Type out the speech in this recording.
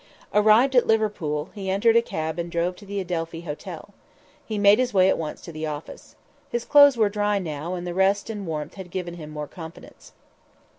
Arrived at Liverpool, he entered a cab and drove to the Adelphi Hotel. He made his way at once to the office. His clothes were dry now and the rest and warmth had given him more confidence.